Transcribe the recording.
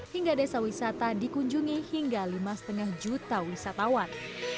hingga desa wisata dikunjungi hingga lima lima juta wisatawan